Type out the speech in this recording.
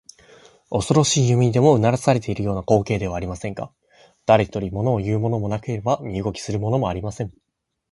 おそろしい夢にでもうなされているような光景ではありませんか。だれひとり、ものをいうものもなければ身動きするものもありません。